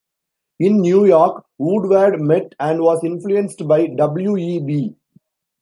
In New York, Woodward met, and was influenced by, W. E. B.